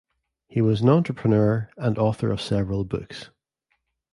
He was an entrepreneur and author of several books.